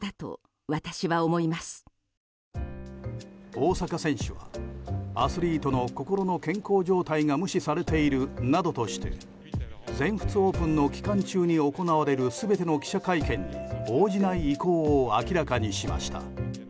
大坂選手はアスリートの心の健康状態が無視されているなどとして全仏オープンの期間中に行われる全ての記者会見に応じない意向を明らかにしました。